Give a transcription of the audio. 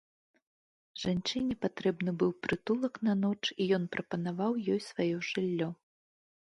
Жанчыне патрэбны быў прытулак на ноч, і ён прапанаваў ёй сваё жыллё.